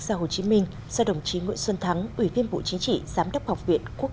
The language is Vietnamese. gia hồ chí minh do đồng chí nguyễn xuân thắng ủy viên bộ chính trị giám đốc học viện quốc